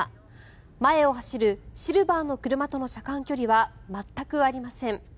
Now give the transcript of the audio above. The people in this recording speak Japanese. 前を走るシルバーの車との車間距離は全くありません。